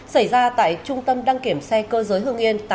xảy ra tại trung tâm đăng kiểm xe cơ giới hương yên